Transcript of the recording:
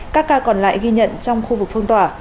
các ca còn lại ghi nhận trong khu vực phong tỏa